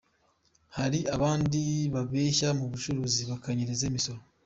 Hari abandi babeshya mu bucuruzi bakanyereza imisoro.